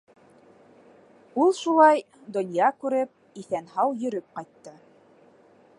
Ул шулай, донъя күреп, иҫән-һау йөрөп ҡайтты.